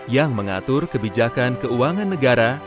yang mengatur kebijakan keuangan negara